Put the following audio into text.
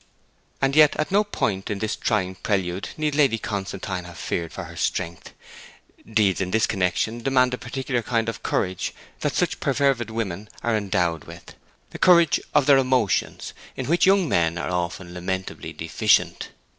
And yet, at no point of this trying prelude need Lady Constantine have feared for her strength. Deeds in this connexion demand the particular kind of courage that such perfervid women are endowed with, the courage of their emotions, in which young men are often lamentably deficient.